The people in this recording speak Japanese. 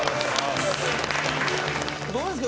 どうですか？